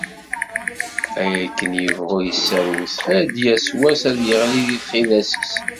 Ay akken ibɣu yesserwet, ad d-yass wass ad yeɣli di txidas-is.